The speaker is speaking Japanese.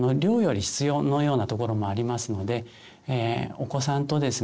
お子さんとですね